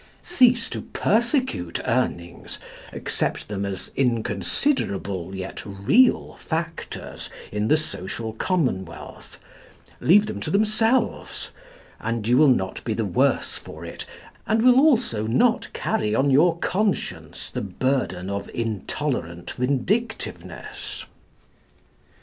Cease to persecute Urnings, accept them as inconsiderable, yet real, factors, in the social commonwealth, leave them to themselves, and you will not be the worse for it, and will also not carry on your conscience the burden of intolerant vindictiveness.